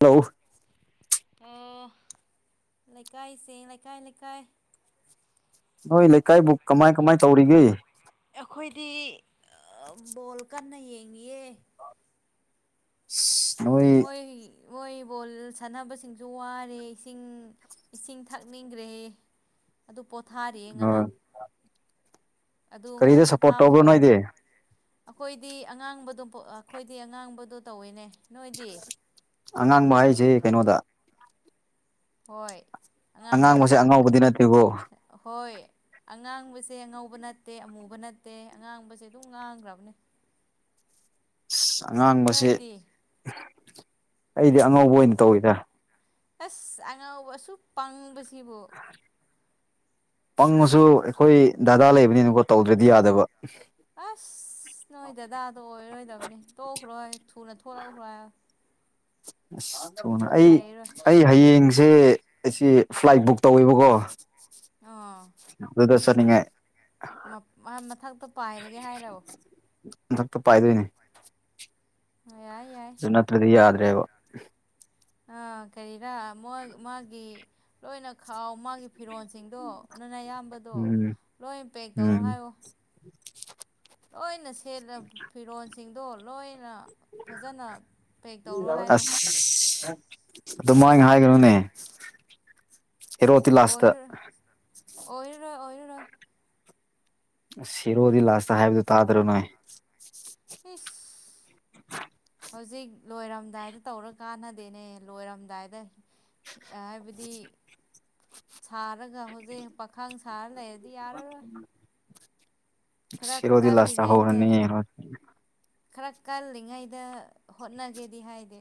ꯍꯜꯂꯧ ꯑꯣ ꯂꯩꯀꯥꯏꯁꯤꯡ ꯂꯩꯀꯥꯏ ꯂꯩꯀꯥꯏ ꯅꯣꯏ ꯂꯩꯀꯥꯏꯕꯨ ꯀꯃꯥꯏ ꯀꯃꯥꯏ ꯇꯧꯔꯤꯒꯦ ꯑꯩꯈꯣꯏꯗꯤ ꯕꯣꯜ ꯀꯟꯅ ꯌꯦꯡꯉꯤꯌꯦ ꯅꯣꯏ ꯃꯣꯏ ꯕꯣꯜ ꯁꯥꯟꯅꯕꯁꯤꯡꯁꯨ ꯋꯥꯔꯦ ꯏꯁꯤꯡ ꯏꯁꯤꯡ ꯊꯛꯅꯤꯡꯈ꯭ꯔꯦꯌꯦ ꯑꯗꯨ ꯄꯣꯊꯥꯔꯤꯌꯦ ꯉꯥꯏꯍꯥꯛ ꯑꯗꯨ ꯃꯣꯏ ꯀꯔꯤꯗ ꯁꯞꯄꯣꯔꯠ ꯄꯣꯊꯥꯕ ꯇꯧꯕ꯭ꯔꯣ ꯑꯣꯏꯅ ꯅꯣꯏꯗꯤ ꯑꯩꯈꯣꯏꯗꯤ ꯑꯉꯥꯡꯕꯗꯣ ꯑꯩꯈꯣꯏꯗꯤ ꯑꯉꯥꯡꯕꯗꯣ ꯇꯧꯋꯦꯅꯦ ꯑꯉꯥꯡꯕ ꯍꯥꯏꯖꯦ ꯀꯩꯅꯣꯗ ꯍꯣꯏ ꯑꯉꯥꯡꯕꯁꯦ ꯑꯉꯥꯡꯕꯗꯨꯗ ꯑꯉꯧꯕꯗꯤ ꯅꯠꯇꯦꯀꯣ ꯍꯣꯏ ꯑꯉꯥꯡꯕꯁꯦ ꯑꯉꯧꯕ ꯅꯠꯇꯦ ꯑꯃꯨꯕ ꯅꯠꯇꯦ ꯑꯉꯥꯡꯕꯁꯦ ꯑꯗꯨꯝ ꯉꯥꯡꯈ꯭ꯔꯕꯅꯦ ꯑꯉꯥꯡꯕꯁꯤ ꯅꯣꯏꯗꯤ ꯑꯩꯗꯤ ꯑꯉꯧꯕ ꯑꯣꯏꯅ ꯇꯧꯋꯤꯗ ꯑꯁ ꯑꯉꯥꯎ ꯑꯁꯨꯛ ꯄꯪꯕꯁꯤꯕꯨ ꯄꯪꯉꯁꯨ ꯑꯩꯈꯣꯏ ꯗꯥꯗꯥ ꯂꯩꯕꯅꯤꯅꯀꯣ ꯇꯧꯗ꯭ꯔꯗꯤ ꯌꯥꯗꯕ ꯑꯁ ꯅꯣꯏ ꯗꯗꯥꯗꯣ ꯑꯣꯏꯔꯣꯏꯗꯕꯅꯤ ꯇꯣꯛꯈ꯭ꯔꯣ ꯍꯥꯏꯌꯨ ꯊꯨꯅ ꯊꯣꯛꯂꯛꯎꯈ꯭ꯔꯣ ꯍꯥꯏꯌꯨ ꯑꯁ ꯊꯨꯅ ꯑꯩ ꯑꯩ ꯍꯌꯦꯡ ꯁꯦ ꯑꯩꯁꯤ ꯐ꯭ꯂꯥꯏꯠ ꯕꯨꯛ ꯇꯧꯋꯦꯕꯀꯣ ꯑꯗꯨꯗ ꯆꯠꯅꯤꯡꯉꯦ ꯑꯥ ꯃꯊꯛꯇ ꯄꯥꯏꯔꯒꯦ ꯍꯥꯏꯔꯣ ꯃꯊꯛꯇ ꯄꯥꯏꯗꯣꯏꯅꯦ ꯌꯥꯏ ꯌꯥꯏ ꯑꯗꯨ ꯅꯠꯇ꯭ꯔꯗꯤ ꯌꯥꯗ꯭ꯔꯦꯕ ꯑꯥ ꯀꯔꯤꯔꯥ ꯃꯥꯒꯤ ꯂꯣꯏꯅ ꯈꯥꯎ ꯃꯥꯒꯤ ꯐꯤꯔꯣꯟꯜꯁꯤꯡꯗꯣ ꯑꯗꯨꯅ ꯑꯌꯥꯝꯕꯗꯣ ꯎꯝ ꯂꯣꯏ ꯄꯦꯛ ꯇꯧꯔꯣ ꯎꯝ ꯍꯥꯏꯌꯣ ꯂꯣꯏꯅ ꯁꯦꯠꯂ ꯐꯤꯔꯣꯟꯜꯁꯤꯡꯗꯣ ꯂꯣꯏꯅ ꯐꯖꯅ ꯄꯦꯛ ꯇꯧꯔꯣ ꯍꯥꯏꯌꯣ ꯑꯗꯨꯃꯥꯏ ꯍꯥꯏꯒꯅꯨꯅꯦ ꯍꯦꯔꯣꯇꯤ ꯂꯥꯁꯇ ꯑꯣꯏꯔꯔꯣꯏ ꯑꯣꯏꯔꯔꯣꯏ ꯑꯣꯏꯔꯔꯣꯏ ꯑꯁ ꯍꯤꯔꯣꯗꯤ ꯂꯥꯁꯇ ꯍꯥꯏꯕꯗꯨ ꯇꯥꯗ꯭ꯔ ꯅꯣꯏ ꯏꯁ ꯍꯧꯖꯤꯛ ꯂꯣꯏꯔꯝꯗꯥꯏꯗ ꯇꯧꯔ ꯀꯥꯟꯅꯗꯦꯅꯦ ꯂꯣꯏꯔꯝꯗꯥꯏꯗ ꯍꯥꯏꯕꯗꯤ ꯁꯥꯔꯒ ꯍꯧꯖꯤꯛ ꯄꯥꯈꯥꯡ ꯁꯥꯔ ꯂꯩꯔ ꯑꯗꯤ ꯌꯥꯔꯔꯣꯏ ꯈꯔ ꯍꯤꯔꯣꯗꯤ ꯂꯥꯁ ꯀꯜꯂꯤꯉꯩꯗ ꯇꯥꯍꯧꯔꯅꯤ ꯈꯔ ꯀꯜꯂꯤꯉꯩꯗ ꯍꯣꯠꯅꯒꯦꯗꯤ ꯍꯥꯏꯗꯦ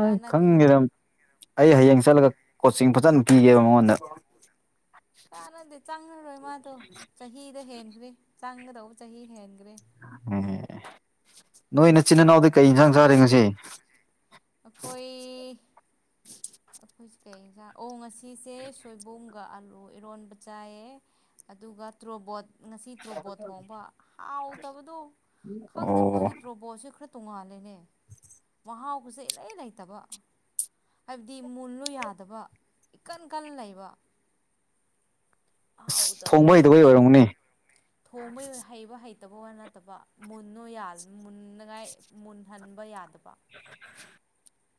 ꯀꯥꯟꯅꯗꯦ ꯑꯩ ꯍꯌꯦꯡ ꯆꯠꯂꯒ ꯀꯣꯆꯤꯡ ꯐꯖꯅ ꯄꯤꯒꯦꯕ ꯃꯉꯣꯟꯗ ꯀꯥꯟꯅꯗꯦ ꯆꯪꯉꯔꯣꯏ ꯃꯥꯗꯣ ꯆꯍꯤꯗ ꯍꯦꯟꯈ꯭ꯔꯦ ꯆꯪꯒꯗꯧꯕ ꯆꯍꯤ ꯍꯦꯟꯅꯤ ꯑꯦ ꯅꯣꯏ ꯅꯆꯤꯟ ꯏꯅꯥꯎꯗꯤ ꯀꯩ ꯌꯦꯟꯁꯥꯡ ꯆꯥꯔꯦ ꯉꯁꯤ ꯑꯩꯈꯣꯏ ꯑꯩꯈꯣꯏꯁꯦ ꯀꯩ ꯏꯁꯥꯡ ꯑꯣ ꯉꯁꯤꯁꯦ ꯁꯣꯏꯕꯨꯝꯒ ꯑꯥꯂꯨ ꯏꯔꯣꯟꯕ ꯆꯥꯏꯌꯦ ꯑꯗꯨꯒ ꯇ꯭ꯔꯣꯕꯣꯠ ꯉꯁꯤ ꯇ꯭ꯔꯣꯕꯣꯠ ꯊꯣꯡꯕ ꯍꯥꯎꯇꯕꯗꯣ ꯈꯪꯗꯦ ꯑꯣ ꯃꯣꯏꯒꯤ ꯇ꯭ꯔꯣꯕꯣꯠꯁꯦ ꯈꯔ ꯇꯨꯡꯉꯥꯂꯅꯦ [unintelligible] ꯃꯍꯥꯎꯕꯁꯦ ꯏꯂꯩ ꯂꯩꯇꯕ ꯍꯥꯏꯕꯗꯤ ꯃꯨꯜꯂꯨ ꯌꯥꯗꯕ ꯏꯀꯟ ꯀꯟ ꯂꯩꯕ ꯑꯁ ꯊꯣꯡꯕ ꯍꯥꯎꯇꯕꯗꯣ ꯍꯩꯇꯕꯩ ꯑꯣꯏꯔꯝꯒꯅꯤ ꯊꯣꯡꯕ ꯍꯩꯕ ꯍꯩꯇꯕ ꯂꯩꯇꯕ ꯋꯥ ꯅꯠꯇꯕ ꯃꯨꯟꯅꯨ ꯌꯥ ꯃꯨꯟꯅꯉꯥꯏ ꯃꯨꯟꯍꯟꯕ ꯌꯥꯗꯕ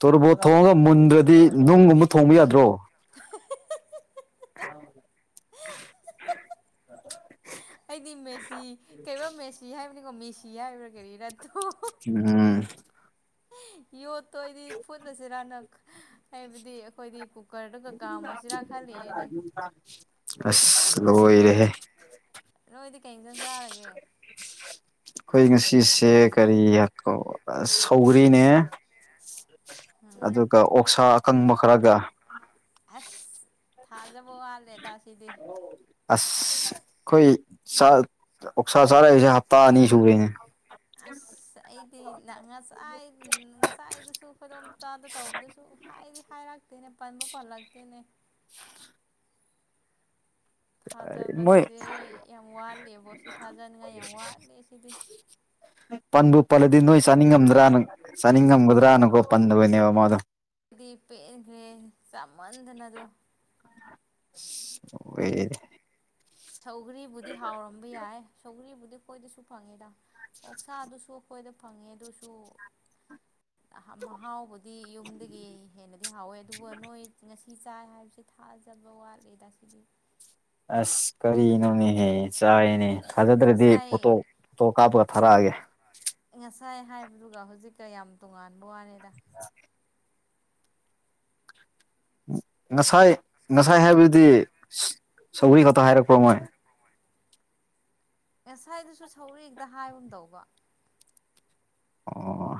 ꯇꯣꯔꯕꯣꯠ ꯊꯣꯡꯉꯒ ꯃꯨꯟꯗ꯭ꯔꯗꯤ ꯅꯨꯡꯒꯨꯝꯕ ꯊꯣꯡꯕ ꯌꯥꯗ꯭ꯔꯣ [unintelligible] [unintelligible] ꯑꯩꯗꯤ ꯃꯦꯁꯤ ꯀꯩꯕ ꯃꯦꯁꯤ ꯍꯥꯏꯕꯅꯤꯀꯣ ꯃꯦꯁꯤ ꯍꯥꯏꯔꯤꯕ꯭ꯔꯥ ꯀꯔꯤ ꯎꯝ ꯌꯣꯠꯇꯣ ꯑꯣꯏꯗꯤ ꯐꯨꯠꯂꯁꯤꯔꯅ ꯍꯥꯏꯕꯗꯤ ꯑꯩꯈꯣꯏꯗꯤ ꯀꯨꯀꯔꯗꯒ ꯀꯥꯝꯃꯁꯤꯔꯥ ꯈꯜꯂꯤꯅꯤꯅꯦ ꯑꯁ ꯂꯣꯏꯔꯦꯍꯦ ꯅꯣꯏꯗꯤ ꯀꯩ ꯏꯟꯖꯥꯡ ꯆꯥꯔꯒꯦ ꯑꯩꯈꯣꯏ ꯉꯁꯤꯁꯦ ꯀꯔꯤ ꯁꯧꯒ꯭ꯔꯤꯅꯦ ꯎꯝ ꯑꯗꯨꯒ ꯑꯣꯛꯁꯥ ꯑꯀꯪꯕ ꯈꯔꯒ ꯑꯦꯁ ꯊꯥꯖꯕ ꯋꯥꯠꯂꯦꯗ ꯁꯤꯗꯤ ꯑꯁ ꯑꯩꯈꯣꯏ ꯑꯣꯛꯁꯥ ꯆꯥꯔꯛꯏꯁꯦ ꯍꯞꯇꯥ ꯑꯅꯤ ꯁꯨꯔꯦꯅꯦ ꯑꯁ ꯑꯩꯗꯤ ꯉꯁꯥꯏ ꯉꯁꯥꯏꯗꯨꯁꯨ ꯐꯗꯣꯝ ꯆꯥꯗ ꯇꯧꯕꯗꯨꯁꯨ ꯍꯥꯏꯗꯤ ꯍꯥꯏꯔꯛꯇꯦꯅꯦ ꯄꯟꯕꯨ ꯄꯜꯂꯛꯇꯦꯅꯦ ꯃꯣꯏ ꯊꯥꯖꯕꯁꯦ ꯌꯥꯝ ꯋꯥꯠꯂꯦꯕꯣ ꯁꯤ ꯊꯥꯖꯅꯤꯡꯉꯥꯏ ꯌꯥꯝ ꯋꯥꯠꯂꯦ ꯁꯤꯗꯤ [inaudible] ꯄꯟꯕꯨ ꯄꯜꯂꯗꯤ ꯅꯣꯏ ꯆꯥꯅꯤꯡꯉꯝꯗ꯭ꯔꯥꯅ ꯆꯥꯅꯤꯡꯉꯝꯒꯗ꯭ꯔꯥꯅꯨꯀꯣ ꯄꯟꯗꯕꯣꯏꯅꯦꯕ ꯃꯥꯗꯣ ꯗꯤ ꯄꯦꯟꯈꯦ ꯆꯃꯟꯗꯅ ꯑꯗꯨ ꯑꯁ ꯑꯣꯏꯌꯦ ꯁꯧꯒ꯭ꯔꯤꯕꯨꯗꯤ ꯍꯥꯎꯔꯝꯕ ꯌꯥꯏ ꯁꯧꯒ꯭ꯔꯤꯕꯨꯗꯤ ꯑꯗꯨ ꯑꯩꯈꯣꯏꯗꯁꯨ ꯐꯪꯉꯦꯗ ꯑꯣꯛꯁꯥꯗꯨꯁꯨ ꯑꯩꯈꯣꯏꯗ ꯐꯪꯉꯦ ꯑꯗꯨꯁꯨ ꯃꯍꯥꯎꯕꯨꯗꯤ ꯌꯨꯝꯗꯒꯤ ꯍꯦꯟꯅꯗꯤ ꯍꯥꯎꯋꯦ ꯑꯗꯨꯕꯨ ꯅꯣꯏ ꯉꯁꯤ ꯆꯥꯏ ꯍꯥꯏꯕꯁꯤ ꯊꯥꯖꯕ ꯋꯥꯠꯂꯤꯗ ꯁꯤꯗꯤ ꯑꯁ ꯀꯔꯤꯅꯣꯅꯦꯍꯦ ꯆꯥꯏꯌꯦꯅꯦ ꯊꯥꯖꯗ꯭ꯔꯗꯤ ꯉꯁꯥꯏ ꯐꯣꯇꯣ ꯐꯣꯇꯣ ꯀꯥꯞꯄꯒ ꯊꯥꯔꯛꯑꯒꯦ ꯉꯁꯥꯏ ꯍꯥꯏꯕꯗꯨꯒ ꯍꯧꯖꯤꯛꯀ ꯌꯥꯝ ꯇꯣꯉꯥꯟꯕ ꯋꯥꯅꯤꯗ [unintelligible] ꯉꯁꯥꯏ ꯉꯁꯥꯏ ꯍꯥꯏꯕꯗꯤ ꯁꯒꯔꯤ ꯈꯛꯇ ꯍꯥꯏꯔꯛꯄ ꯃꯣꯏ ꯉꯁꯥꯏꯗꯨꯁꯨ ꯁꯧꯒ꯭ꯔꯤ ꯈꯛꯇ ꯍꯥꯏꯕꯒꯨꯝ ꯇꯧꯕ ꯑꯣ ꯑꯣ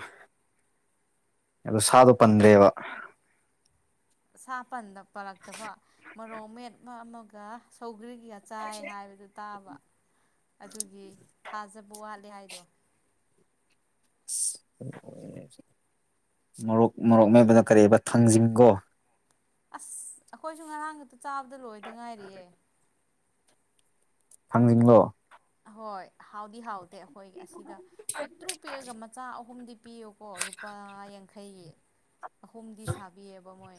ꯑꯗꯣ ꯁꯥꯗꯣ ꯄꯟꯗ꯭ꯔꯦꯕ ꯁꯥ ꯄꯟꯗ ꯄꯥꯂꯛꯇꯕ ꯃꯔꯣꯛ ꯃꯦꯠ ꯑꯃꯒ ꯁꯧꯒ꯭ꯔꯤ ꯆꯥꯏ ꯍꯥꯏꯕꯗꯨ ꯇꯥꯕ ꯑꯗꯨꯒꯤ ꯊꯥꯖꯕ ꯋꯥꯠꯂꯦ ꯍꯥꯏꯗꯣ ꯎꯝ ꯃꯔꯣꯔꯣꯛ ꯃꯔꯣꯔꯣꯛ ꯃꯦꯠꯕꯗꯣ ꯀꯔꯤꯕ ꯊꯥꯡꯖꯤꯡꯒꯣ ꯑꯁ ꯑꯩꯈꯣꯏꯁꯨ ꯉꯔꯥꯡ ꯈꯛꯇ ꯆꯥꯕꯗ ꯂꯣꯏꯗ ꯉꯥꯏꯔꯤꯑꯦ ꯊꯪꯖꯤꯡꯂꯣ ꯍꯣꯏ ꯍꯥꯎꯗꯤ ꯍꯥꯎꯗꯦ ꯑꯩꯈꯣꯏ ꯑꯁꯤꯗ ꯄꯤꯛꯇ꯭ꯔꯨ ꯄꯤꯛꯑꯒ ꯃꯆꯥ ꯑꯍꯨꯝꯗꯤ ꯄꯤꯌꯨꯀꯣ ꯂꯨꯄꯥ ꯌꯥꯡ ꯈꯩꯒꯤ ꯑꯍꯨꯝꯗꯤ ꯁꯥꯕꯤꯑꯦꯕ ꯃꯣꯏ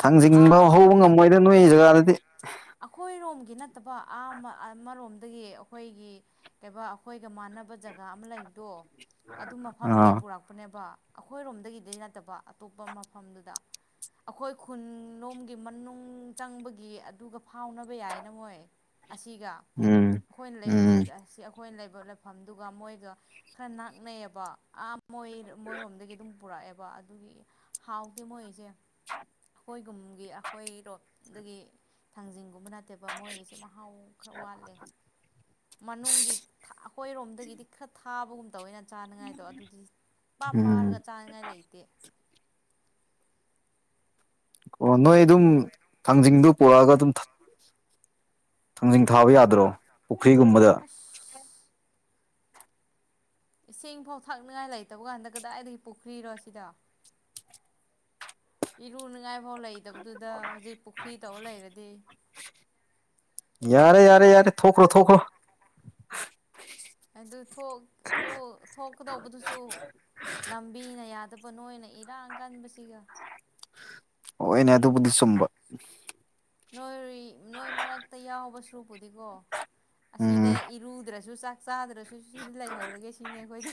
ꯊꯥꯡꯖꯤꯡꯕꯤꯎ ꯑꯥ ꯍꯧꯕ ꯉꯝꯃꯣꯏꯗ ꯅꯣꯏ ꯖꯒꯥꯗꯗꯤ ꯑꯩꯈꯣꯏꯔꯣꯝꯒꯤ ꯅꯠꯇꯕꯥ ꯑ ꯑꯃ ꯑꯃꯔꯣꯝꯗꯒꯤ ꯑꯩꯈꯣꯏꯒꯤ ꯀꯩꯕꯥ ꯑꯩꯈꯣꯏꯒ ꯃꯥꯟꯅꯕ ꯖꯒꯥ ꯑꯃ ꯂꯩꯕꯗꯣ ꯑꯗꯨ ꯃꯐꯝꯗꯒꯤ ꯑꯥ ꯄꯨꯔꯛꯄꯅꯦꯕ ꯑꯩꯈꯣꯏꯔꯣꯝꯗꯒꯤꯗꯤ ꯅꯠꯇꯕ ꯑꯇꯣꯞꯄ ꯃꯐꯝꯗꯨꯗ ꯑꯩꯈꯣꯏ ꯈꯨꯟ ꯂꯣꯝꯒꯤ ꯃꯅꯨꯡ ꯆꯪꯕꯒꯤ ꯑꯗꯨꯒ ꯐꯥꯎꯅꯕ ꯌꯥꯏꯅ ꯃꯣꯏ ꯑꯁꯤꯒ ꯎꯝ ꯑꯩꯈꯣꯏꯅ ꯂꯩꯕꯗꯨ ꯎꯝ ꯑꯁ ꯑꯩꯈꯣꯏꯅ ꯂꯩꯐꯝꯗꯨꯒ ꯃꯣꯏꯒ ꯈꯔ ꯅꯛꯅꯩꯑꯦꯕ ꯑꯥ ꯃꯣꯏ ꯃꯣꯏꯔꯣꯝꯗꯒꯤ ꯑꯗꯨꯝ ꯄꯨꯔꯛꯑꯦꯕ ꯑꯗꯨꯒꯤ ꯍꯥꯎꯗꯦ ꯃꯣꯏꯁꯦ ꯑꯩꯈꯣꯏꯒꯨꯝꯒꯤ ꯑꯩꯈꯣꯏꯔꯣꯝ ꯑꯗꯨꯒꯤ ꯊꯥꯡꯖꯤꯡꯒꯨꯝꯕꯅꯥ ꯐꯠꯇꯦꯕ ꯃꯣꯏꯒꯤꯁꯤ ꯃꯍꯥꯎ ꯈꯔ ꯋꯥꯠꯂꯦ ꯃꯅꯨꯡꯒꯤ ꯈ ꯈꯣꯏꯔꯣꯝꯗꯒꯤꯗꯤ ꯈꯔ ꯊꯥꯕꯒꯨꯝ ꯇꯧꯋꯦꯅ ꯆꯥꯅꯉꯥꯏꯗꯣ ꯑꯗꯨꯗꯤ ꯄꯥꯛ ꯎꯝ ꯄꯥꯔꯒ ꯆꯥꯅꯉꯥꯏ ꯂꯩꯇꯦ ꯀꯤꯥꯣ ꯅꯣꯏ ꯑꯗꯨꯝ ꯊꯥꯡꯖꯤꯡꯗꯨ ꯄꯨꯔꯛꯑꯒ ꯑꯗꯨꯝ ꯊꯥꯡꯖꯤꯡ ꯊꯥꯕ ꯌꯥꯗ꯭ꯔꯣ ꯄꯨꯈ꯭ꯔꯤꯒꯨꯝꯕꯗ ꯑꯁ ꯏꯁꯤꯡꯐꯥꯎ ꯊꯛꯅꯤꯡꯉꯥꯏ ꯂꯩꯇꯕ ꯀꯥꯟꯗ ꯀꯗꯥꯏꯗꯒꯤ ꯄꯨꯈ꯭ꯔꯤꯔꯣ ꯁꯤꯗ ꯏꯔꯨꯅꯤꯉꯥꯏ ꯐꯥꯎ ꯂꯩꯇꯕꯗꯨꯗ ꯍꯧꯖꯤꯛ ꯄꯨꯈ꯭ꯔꯤ ꯇꯧꯔ ꯂꯩꯔꯗꯤ [inaudible] ꯌꯥꯔꯦ ꯌꯥꯔꯦ ꯌꯥꯔꯦ ꯊꯣꯛꯈ꯭ꯔꯣ ꯊꯣꯛꯈ꯭ꯔꯣ ꯑꯗꯨ ꯊꯣꯛ ꯊꯣꯛ ꯊꯣꯛꯀꯗꯧꯕꯗꯨꯁꯨ ꯂꯝꯕꯤꯅ ꯌꯥꯗꯕ ꯅꯣꯏꯅ ꯏꯔꯥꯡ ꯀꯟꯕꯁꯤꯒ ꯑꯣꯏꯅꯦ ꯑꯗꯨꯕꯨꯗꯤ ꯆꯨꯝꯕ ꯅꯣꯏ ꯅꯣꯏ ꯃꯔꯛꯇ ꯌꯥꯎꯕ ꯁꯨꯄꯨꯗꯤꯀꯣ ꯑꯁꯤꯗ ꯎꯝ ꯏꯔꯨꯗ꯭ꯔꯁꯨ ꯆꯥꯛ ꯆꯗ꯭ꯔꯁꯨ ꯁꯤꯗ ꯂꯩꯍꯧꯔꯒꯦ ꯁꯤꯅꯤ ꯑꯩꯈꯣꯏꯗꯤ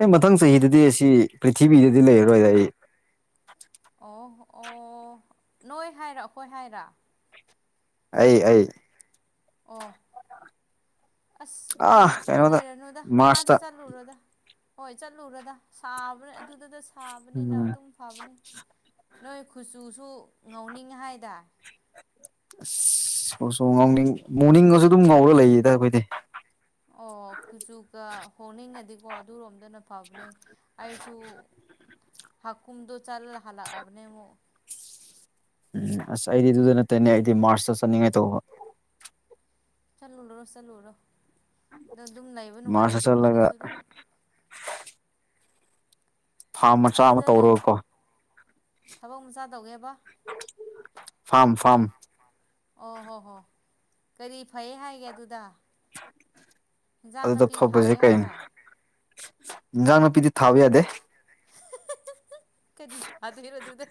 ꯑꯦ ꯃꯊꯪ ꯆꯍꯤꯗꯗꯤ ꯑꯁꯤ ꯄ꯭ꯔꯤꯊꯤꯕꯤꯗꯗꯤ ꯂꯩꯔꯔꯣꯏꯗ ꯑꯩ ꯑꯣ ꯑꯣ ꯅꯣꯏ ꯍꯥꯏꯔ ꯑꯩꯈꯣꯏ ꯍꯥꯏꯔ ꯑꯩ ꯑꯩ ꯑꯣ ꯑꯁ ꯑꯥ ꯄ꯭ꯔꯤꯊꯤꯕꯤꯗ ꯀꯩꯅꯣꯗ ꯂꯩꯔꯅꯨꯗ ꯑꯥꯗ ꯃꯥꯔꯁꯇ ꯆꯠꯂꯨꯔꯣꯗ ꯍꯣꯏ ꯆꯠꯂꯨꯔꯗ ꯁꯥꯕꯅꯦ ꯑꯗꯨꯗꯗ ꯁꯥꯕꯅꯤꯅ ꯎꯝ ꯑꯗꯨꯝ ꯐꯕꯅꯤ ꯅꯣꯏ ꯈꯨꯆꯨ ꯁꯨ ꯉꯧꯅꯤꯡꯉꯦ ꯍꯥꯏꯗꯥꯏ ꯑꯁ ꯁꯨ ꯉꯥꯎꯅꯤꯡ ꯃꯨꯅꯤꯡꯉꯁꯨ ꯑꯗꯨꯝ ꯉꯧꯔꯒ ꯂꯩꯌꯦꯗ ꯑꯩꯈꯣꯏꯗꯤ ꯑꯣ ꯈꯨꯆꯨꯀ ꯍꯣꯡꯅꯤꯡꯉꯗꯤꯀꯣ ꯑꯗꯨꯔꯣꯝꯗꯅ ꯐꯥꯕꯅꯦ ꯑꯩꯁꯨ ꯍꯥꯀꯨꯝꯗꯣ ꯆꯠꯂ ꯍꯜꯂꯛꯑꯕꯅꯦ ꯃꯨꯛ ꯎꯝ ꯑꯁ ꯑꯩꯗꯤ ꯑꯗꯨꯗ ꯅꯠꯇꯦꯅꯦ ꯑꯩꯗꯤ ꯃꯥꯔꯁꯇ ꯆꯠꯅꯤꯡꯉꯥꯏ ꯇꯧꯕ ꯆꯠꯂꯨꯔꯣ ꯆꯠꯂꯨꯔꯣ ꯑꯗꯨꯝ ꯂꯩꯕ ꯃꯥꯔꯁꯇ ꯅꯨꯡꯉꯥꯏꯔꯗꯤ ꯆꯠꯂꯒ ꯑꯩꯈꯣꯏꯗꯁꯨ ꯑꯗꯨꯝ ꯐꯥꯔꯝ ꯃꯆꯥ ꯑꯃ ꯑꯗꯨꯗ ꯂꯩ ꯇꯧꯔꯒꯀꯣ ꯊꯕꯛ ꯃꯆꯥ ꯇꯧꯒꯦꯕ ꯐꯥꯝ ꯐꯥꯔꯝ ꯑꯣ ꯍꯣ ꯍꯣ ꯀꯔꯤ ꯐꯩ ꯍꯥꯏꯒꯦ ꯑꯗꯨꯗ ꯏꯟꯁꯥꯡ ꯑꯗꯨꯗ ꯅꯥꯄꯤ ꯐꯕꯁꯦ ꯊꯥꯒꯦ ꯀꯩꯅꯣ ꯍꯥꯏꯔ ꯏꯟꯖꯥꯡ ꯅꯥꯄꯤꯗꯤ ꯊꯥꯕ ꯌꯥꯗꯦ ꯀꯔꯤ ꯊꯥ ꯗꯣꯏꯕ ꯑꯗꯨꯨꯗ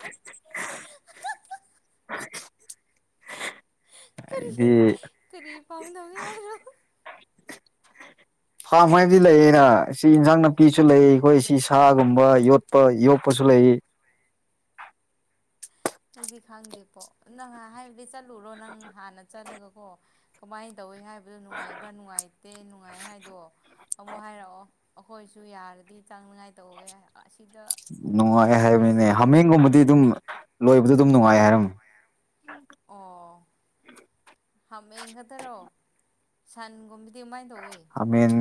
ꯀꯔꯤ ꯑꯩꯗꯤ ꯀꯔꯤ [unintelligible] ꯐꯥꯔꯝ ꯍꯥꯏꯕꯗꯤ ꯂꯩꯌꯦꯅ ꯁꯤ ꯌꯦꯟꯁꯥꯡꯅ ꯅꯨꯄꯤꯁꯨ ꯂꯩ ꯑꯩꯈꯣꯏ ꯁꯤ ꯁꯥꯒꯨꯝꯕ ꯌꯣꯠꯄ ꯌꯣꯛꯄꯁꯨ ꯂꯩ ꯑꯩꯗꯤ ꯈꯪꯗꯦ ꯀꯣ ꯅꯪ ꯍꯥꯏꯕꯗꯤ ꯆꯠꯂꯨꯔꯣ ꯅꯪ ꯍꯥꯟꯅ ꯆꯠꯂꯒ ꯀꯣ ꯀꯃꯥꯏꯅ ꯇꯧ ꯍꯣꯏ ꯍꯥꯏꯕꯗꯨꯣ ꯅꯨꯡꯉꯥꯏꯕ꯭ꯔꯥ ꯅꯨꯡꯉꯥꯏꯇꯦ ꯅꯨꯡꯉꯥꯏ ꯍꯥꯏꯗꯣ ꯑꯃꯨꯛ ꯍꯥꯏꯔꯛꯑꯣ ꯑꯩꯈꯣꯏꯁꯨ ꯌꯥꯔꯗꯤ ꯆꯥꯠꯅꯤꯉꯥꯏ ꯇꯧꯒꯦ ꯑꯁꯤꯗ ꯅꯨꯡꯉꯥꯏ ꯍꯥꯏꯕꯅꯤꯅꯦ ꯍꯥꯃꯦꯡꯒꯨꯝꯕꯗꯤ ꯑꯗꯨꯝ ꯂꯣꯏꯕꯗ ꯑꯗꯨꯝ ꯅꯨꯡꯉꯥꯏ ꯍꯥꯏꯔꯝꯃꯤ ꯑꯣ ꯍꯥꯃꯦꯡ ꯈꯛꯇꯔꯣ ꯁꯟꯒꯨꯝꯕꯗꯤ ꯑꯗꯨꯃꯥꯏꯅ ꯇꯧ ꯍꯥꯃꯦꯡ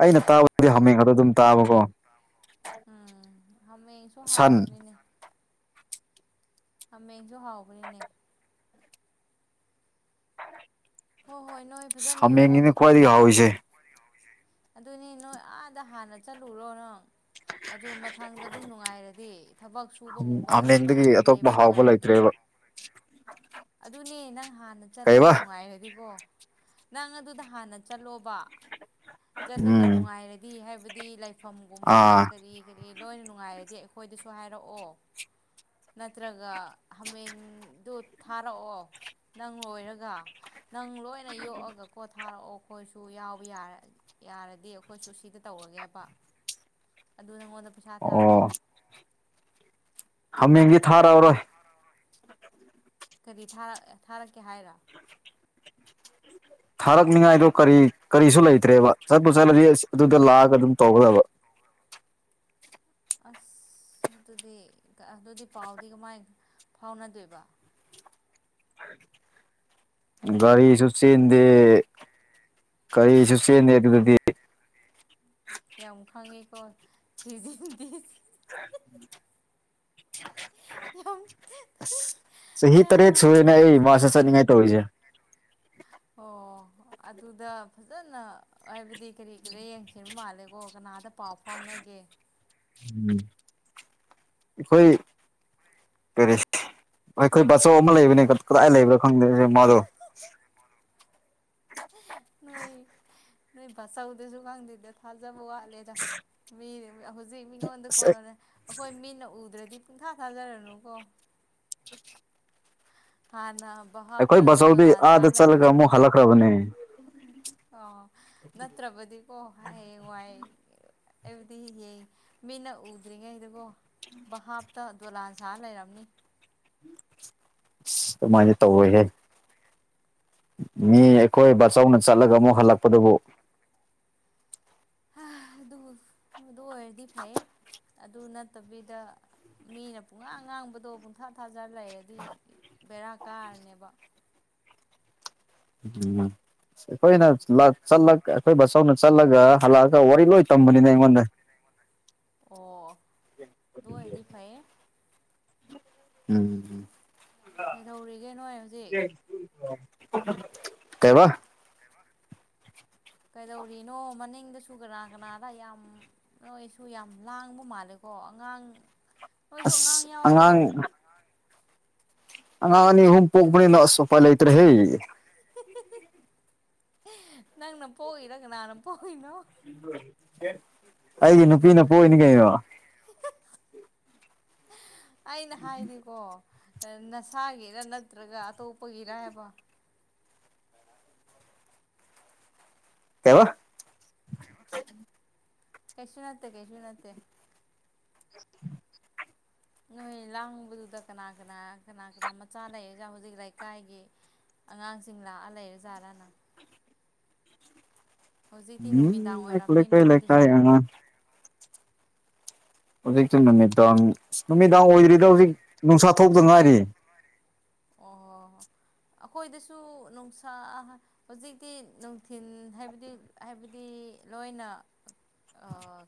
ꯑꯩꯅ ꯇꯥꯕꯕꯨꯗꯤ ꯍꯥꯃꯦꯡꯗ ꯈꯛꯇ ꯑꯗꯨꯝ ꯇꯥꯕꯀꯣ ꯎꯝ ꯍꯥꯃꯦꯡꯁꯨ ꯁꯟ ꯍꯥꯎꯕꯅꯦ ꯍꯥꯃꯦꯡꯁꯨ ꯍꯥꯎꯕꯅꯤꯅꯦ ꯍꯣꯏ ꯍꯣꯏ ꯅꯣꯏ ꯐꯖꯅ ꯍꯥꯃꯦꯡꯅꯤꯅ ꯌꯣꯛꯑꯒꯀꯣ ꯈ꯭ꯋꯥꯏꯗꯒꯤ ꯑꯗꯨꯗ ꯍꯥꯎꯔꯤꯁꯦ ꯑꯗꯨꯅꯦ ꯅꯣꯏ ꯑꯥꯗ ꯍꯥꯟꯅ ꯆꯠꯂꯨꯔꯣ ꯅꯪ ꯑꯗꯨ ꯃꯊꯪꯗ ꯑꯗꯨꯝ ꯅꯨꯡꯉꯥꯏꯔꯗꯤ ꯊꯕꯛ ꯁꯨꯕꯒꯨꯝꯕ ꯈꯣꯠꯄ ꯍꯥꯃꯦꯡꯗꯒꯤ ꯍꯥꯏꯕꯗꯤ ꯑꯇꯣꯞꯄ ꯂꯩꯕ ꯍꯥꯎꯕ ꯅꯨꯡꯉꯥꯏꯔꯗꯤ ꯂꯩꯇ꯭ꯔꯦꯕ ꯑꯗꯨ ꯅꯦ ꯅꯪ ꯍꯥꯟꯅ ꯆꯠꯂꯒ ꯀꯩꯕ ꯅꯨꯡꯉꯥꯏꯔꯗꯤꯕꯣ ꯅꯪ ꯑꯗꯨꯗ ꯍꯥꯟꯅ ꯆꯠꯂꯣꯕ ꯆꯠꯂꯒ ꯎꯝ ꯅꯨꯡꯉꯥꯏꯔꯗꯤ ꯍꯥꯏꯕꯗꯤ ꯑꯥ ꯂꯥꯏꯐꯝꯒꯨꯝꯕ ꯀꯔꯤ ꯀꯔꯤ ꯂꯣꯏꯅ ꯅꯨꯡꯉꯥꯏꯔꯗꯤ ꯑꯩꯈꯣꯏꯗꯁꯨ ꯍꯥꯏꯔꯛꯑꯣ ꯅꯠꯇ꯭ꯔꯒ ꯍꯥꯃꯦꯡꯗꯨ ꯊꯥꯔꯛꯑꯣ ꯅꯪ ꯂꯣꯏꯔꯒ ꯅꯪ ꯂꯣꯏꯅ ꯌꯣꯛꯑꯒ ꯀꯣ ꯊꯥꯔꯛꯑꯣ ꯑꯩꯈꯣꯏꯁꯨ ꯌꯥꯎꯕ ꯌꯥ ꯌꯥꯔꯗꯤ ꯑꯩꯈꯣꯏꯁꯨ ꯁꯤꯗ ꯇꯧꯔ ꯒꯦꯕ ꯑꯗꯨ ꯅꯪꯉꯣꯟꯗ ꯄꯩꯁꯥ ꯑꯣ ꯊꯥꯛꯑꯒꯦ ꯍꯥꯃꯦꯡꯗꯤ ꯊꯥꯔꯛꯑꯔꯣꯏ ꯀꯔꯤ ꯊꯥꯔꯛ ꯊꯥꯔꯛꯀꯦ ꯍꯥꯏꯔ ꯊꯥꯔꯛꯅꯤꯉꯥꯏꯗꯣ ꯀꯔꯤ ꯀꯔꯤꯁꯨ ꯂꯩꯇ꯭ꯔꯦꯕ ꯆꯠꯄ ꯆꯠꯂꯗꯤ ꯑꯁ ꯑꯗꯨꯗ ꯂꯥꯛꯑꯒ ꯑꯗꯨꯝ ꯇꯧꯒꯗꯕ [inaudible] ꯑꯁ ꯑꯁ ꯑꯗꯨꯗꯤ ꯑꯗꯨꯗꯤ ꯄꯥꯎꯗꯤ ꯀꯃꯥꯏ ꯐꯥꯎꯅꯗꯣꯏꯕ ꯒꯥꯔꯤ ꯆꯦꯟꯗꯦ ꯒꯔꯤꯁꯨ ꯆꯦꯟꯗꯦ ꯑꯗꯨꯗꯗꯤ ꯌꯥꯝ ꯈꯪꯉꯤꯀꯣ ꯊꯤꯖꯤꯗꯤ [inaudible] ꯌꯝ ꯑꯁ ꯆꯍꯤ ꯇꯔꯦꯠ ꯁꯨꯔꯦꯅꯦ ꯑꯩ ꯏꯃꯥꯁꯨ ꯆꯅꯤꯡꯉꯥꯏ ꯇꯧꯔꯤꯁꯦ ꯑꯣ ꯑꯗꯨꯗ ꯐꯖꯅ ꯍꯥꯏꯕꯗꯤ ꯀꯔꯤ ꯀꯔꯤ ꯌꯦꯡꯈꯤꯕ ꯃꯥꯜꯂꯦꯀꯣ ꯀꯅꯥꯗ ꯄꯥꯎ ꯐꯥꯎꯅꯒꯦ [inaudible] ꯑꯩꯈꯣꯏ ꯀꯔꯤ ꯑꯩꯈꯣꯏ ꯕꯥꯆꯧ ꯑꯃ ꯂꯩꯕꯅꯦ ꯀꯔꯥꯏ ꯂꯩꯕꯔ ꯈꯪꯗꯦꯅꯦ ꯃꯥꯗꯣ ꯅꯣꯏ ꯅꯣꯏ ꯕꯥꯆꯧꯗꯨꯁꯨ ꯈꯪꯗꯦꯗ ꯊꯥꯖꯕ ꯋꯥꯠꯂꯦꯗ ꯃꯤ ꯍꯧꯖꯤꯛ ꯃꯤꯉꯣꯟꯗ ꯑꯁ ꯀꯣꯔꯔꯦ ꯑꯩꯈꯣꯏ ꯃꯤꯠꯅ ꯎꯗ꯭ꯔꯗꯤ ꯄꯨꯡꯊꯥ ꯊꯥꯖꯔꯔꯨꯀꯣ ꯍꯥꯟꯅ ꯑꯩꯈꯣꯏ ꯚꯥꯞꯇ ꯕꯥꯆꯧꯗꯤ ꯗꯣꯂꯥꯟ ꯁꯥ ꯑꯥꯗ ꯆꯠꯂꯒ ꯂꯩꯔꯝꯅꯤ ꯑꯃꯨꯛ ꯍꯜꯂꯛꯈ꯭ꯔꯕꯅꯦ ꯑꯣ ꯅꯠꯇ꯭ꯔꯕꯗꯤ [inaudible] ꯑꯩꯕꯨꯗꯤ ꯏꯒꯦ ꯃꯤꯠꯅ ꯎꯗ꯭ꯔꯤꯉꯩꯗꯀꯣ ꯚꯍꯥꯞꯇ ꯗꯣꯂꯥꯟ ꯁꯥ ꯂꯩꯔꯝꯅꯤ ꯏꯁ ꯑꯗꯨꯃꯥꯏꯅ ꯇꯧꯔꯣꯏꯍꯦ ꯃꯤ ꯑꯩꯈꯣꯏ ꯕꯥꯆꯧꯅ ꯆꯠꯂꯒ ꯑꯃꯨꯛ ꯍꯜꯂꯛꯄꯗꯨꯕꯨ ꯑꯥ ꯑꯗꯨꯕꯨ ꯑꯗꯨ ꯑꯣꯏꯔꯗꯤ ꯐꯩꯌꯦ ꯑꯗꯨ ꯅꯠꯇꯕꯤꯗ ꯃꯤꯅ ꯄꯨꯡꯉꯥꯡ ꯉꯥꯡꯕꯗꯣ ꯄꯨꯡꯊꯥ ꯊꯥꯖ ꯂꯩꯔꯗꯤ ꯕꯦꯔꯥ ꯀꯥꯔꯅꯤꯕ [inaudible] ꯎꯝ ꯑꯩꯈꯣꯏꯅ ꯂꯥꯛ ꯆꯠꯂ ꯑꯩꯈꯣꯏ ꯕꯥꯆꯧꯅ ꯆꯠꯂꯒ ꯍꯜꯂꯛꯑꯒ ꯋꯥꯔꯤ ꯂꯣꯏ ꯇꯝꯕꯅꯤꯅꯦ ꯑꯩꯉꯣꯟꯗ [inaudible] ꯑꯣ ꯑꯗꯨ ꯑꯣꯏꯔꯗꯤ ꯐꯩꯌꯦ ꯎꯝ ꯀꯩꯗꯧꯔꯤꯒꯦ ꯅꯣꯏ ꯍꯧꯖꯤꯛ ꯀꯩ ꯕꯥ ꯀꯩꯗꯧꯔꯤꯅꯣ ꯃꯅꯤꯡꯗꯁꯨ ꯀꯅꯥ ꯀꯅꯥꯅ ꯌꯥꯝ ꯅꯣꯏꯁꯨ ꯌꯥꯝ ꯂꯥꯡꯕ ꯃꯥꯜꯂꯦ ꯑꯣ ꯑꯉꯥꯡ ꯅꯣꯏꯁꯨ ꯑꯉꯥꯡ ꯑꯁ ꯌꯥꯎꯕ꯭ꯔꯣ ꯑꯉꯥꯡ ꯑꯉꯥꯡ ꯑꯅꯤ ꯑꯍꯨꯝ ꯄꯣꯛꯞꯅꯤꯅ ꯑꯁ ꯎꯄꯥꯏ ꯂꯩꯇ꯭ꯔꯦ ꯍꯦ ꯅꯪꯅ ꯄꯣꯛꯏꯔ ꯀꯅꯥꯅ ꯄꯣꯛꯏꯅꯣ ꯑꯩꯒꯤ ꯅꯨꯄꯤꯅ ꯄꯣꯛꯏꯅꯤ ꯀꯩꯅꯣ ꯑꯩꯅ ꯍꯥꯏꯗꯤꯀꯣ ꯅꯁꯥꯒꯤꯔ ꯅꯠꯇ꯭ꯔꯒ ꯑꯇꯣꯞꯄꯒꯤꯔ ꯍꯥꯏꯕ ꯀꯩꯕ ꯀꯩꯁꯨ ꯅꯥꯠꯇꯦ ꯀꯩꯁꯨ ꯅꯥꯠꯇꯦ ꯅꯣꯏ ꯂꯥꯡꯕꯗꯨꯗ ꯀꯅꯥ ꯀꯅꯥ ꯀꯅꯥ ꯀꯅꯥ ꯃꯆꯥ ꯂꯩꯔꯒ ꯍꯧꯖꯤꯛ ꯂꯩꯀꯥꯏꯒꯤ ꯑꯉꯥꯡꯁꯤꯡ ꯂꯥꯛꯑ ꯂꯩꯔ ꯖꯥꯠꯔꯑꯅ [inaudible] ꯍꯧꯖꯤꯛꯇꯤ ꯅꯨꯃꯤꯗꯥꯡ ꯎꯝ ꯑꯩ ꯑꯣꯏꯔꯝꯅꯤꯅ ꯂꯩꯀꯥꯏ ꯂꯩꯀꯥꯏ ꯅꯣꯏꯗꯨꯁꯨ ꯑꯉꯥꯡ ꯍꯧꯖꯤꯛꯇꯤ ꯅꯨꯃꯤꯗꯥꯡ ꯅꯨꯃꯤꯗꯥꯡ ꯑꯣꯏꯗ꯭ꯔꯤꯗ ꯍꯧꯖꯤꯛ ꯅꯨꯡꯁꯥ ꯊꯣꯛꯇ ꯉꯥꯏꯔꯤ ꯑꯣ ꯑꯩꯈꯣꯏꯗꯁꯨ ꯅꯨꯡꯁꯥ ꯍꯧꯖꯤꯛꯇꯤ ꯅꯨꯡꯊꯤꯜ ꯍꯥꯏꯕꯗꯤ ꯍꯥꯏꯕꯗꯤ ꯂꯣꯏꯅ [inaudible]